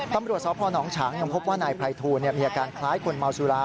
ตำรวจสพนฉางยังพบว่านายภัยทูลมีอาการคล้ายคนเมาสุรา